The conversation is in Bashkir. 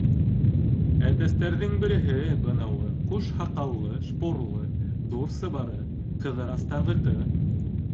Әтәстәрҙең береһе, бынауы ҡуш һаҡаллы, шпорлы, ҙур сыбары, Ҡыҙырастарҙыҡы.